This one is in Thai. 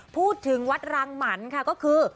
พูดถึงวัดรางหมันค่ะก็คือ